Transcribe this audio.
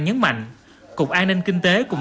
nhấn mạnh cục an ninh kinh tế cùng